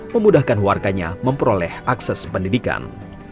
memudahkan warganya memperoleh akses pendidikan